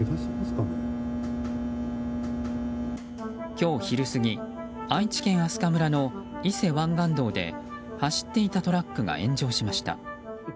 今日昼過ぎ、愛知県飛鳥村の伊勢湾岸道で走っていたトラックが炎上しました。